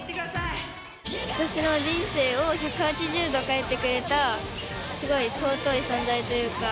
私の人生を１８０度変えてくれたすごい尊い存在というか。